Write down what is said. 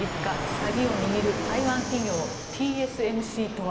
鍵を握る台湾企業ＴＳＭＣとは？